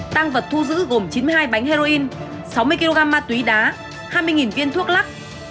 tăng vật thu giữ gồm chín mươi hai bánh heroin sáu mươi kg ma túy đá hai mươi viên thuốc lắc